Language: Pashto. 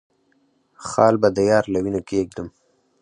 خال به د يار له وينو کېږدم